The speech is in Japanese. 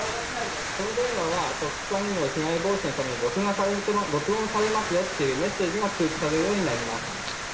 この電話は特殊詐欺の被害防止のために録音されますよってメッセージが通知されるようになります。